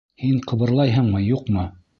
Һин ҡыбырлайһыңмы, юҡмы?